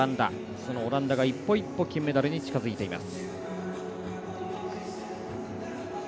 そのオランダが一歩一歩金メダルに近づいています。